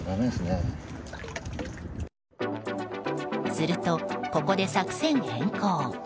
すると、ここで作戦変更。